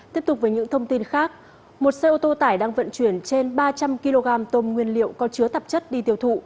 tiếp tục với những thông tin khác một xe ô tô tải đang vận chuyển trên ba trăm linh kg tôm nguyên liệu có chứa tạp chất đi tiêu thụ